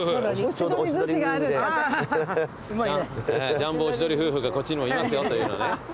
ジャンボおしどり夫婦がこっちにもいますよというのをね。